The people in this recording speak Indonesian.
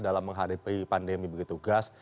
dalam menghadapi pandemi begitu gas